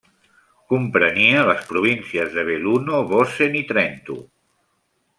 Comprenia les províncies de Belluno, Bozen i Trento.